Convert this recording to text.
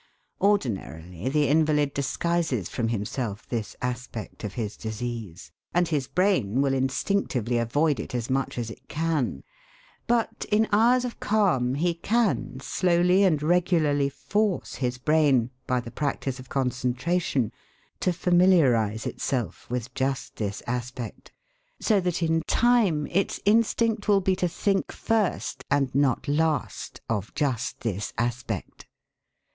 Ordinarily the invalid disguises from himself this aspect of his disease, and his brain will instinctively avoid it as much as it can. But in hours of calm he can slowly and regularly force his brain, by the practice of concentration, to familiarise itself with just this aspect, so that in time its instinct will be to think first, and not last, of just this aspect.